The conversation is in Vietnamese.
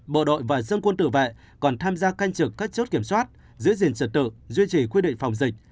bộ đội và dân quân tự vệ còn tham gia canh trực các chốt kiểm soát giữ gìn trật tự duy trì quy định phòng dịch